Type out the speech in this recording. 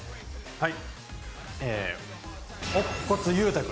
はい。